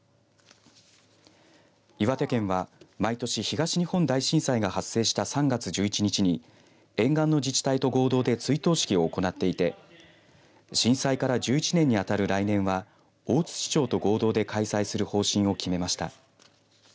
岩手県は毎年東日本大震災が発生した３月１１日に沿岸の自治体と合同で追悼式を行っていて震災から１１年にあたる来年は大槌町と合同で開催する方針を決めました。